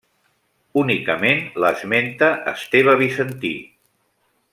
Únicament l'esmenta Esteve Bizantí.